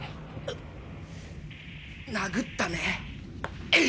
殴ったね。